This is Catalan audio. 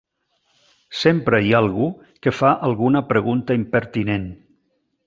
Sempre hi ha algú que fa alguna pregunta impertinent.